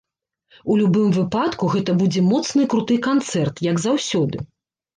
У любым выпадку, гэта будзе моцны і круты канцэрт, як заўсёды.